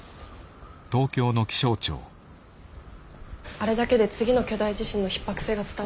あれだけで次の巨大地震のひっ迫性が伝わったでしょうか？